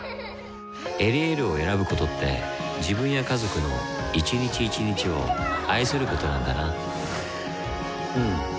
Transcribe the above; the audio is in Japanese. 「エリエール」を選ぶことって自分や家族の一日一日を愛することなんだなうん。